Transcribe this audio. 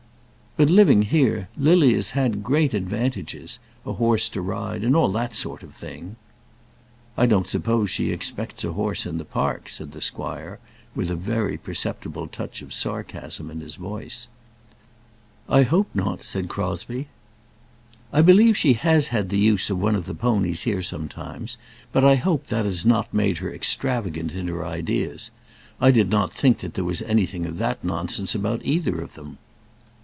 "But living here, Lily has had great advantages, a horse to ride, and all that sort of thing." "I don't suppose she expects a horse in the park," said the squire, with a very perceptible touch of sarcasm in his voice. "I hope not," said Crosbie. "I believe she has had the use of one of the ponies here sometimes, but I hope that has not made her extravagant in her ideas. I did not think that there was anything of that nonsense about either of them."